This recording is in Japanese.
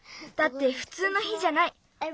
だってふつうの日じゃない。